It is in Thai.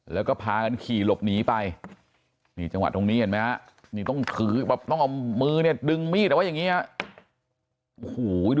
แล้วก็พากันขี่หลบหนีไปนี่จังหวะตรงนี้เห็นไหมครับ